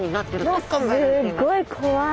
すごい怖い。